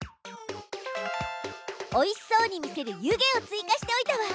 おいしそうに見せる「湯気」を追加しておいたわ。